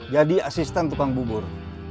jadi asisten tukang bubur